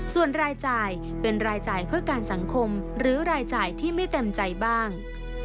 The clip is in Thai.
ส่วนรายจ่ายเป็นรายจ่ายเพื่อการสังคมหรือรายจ่ายที่ไม่เต็มใจบ้าง